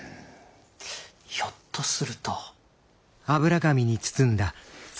ひょっとすると。